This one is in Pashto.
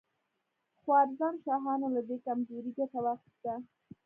خوارزم شاهانو له دې کمزورۍ ګټه واخیسته.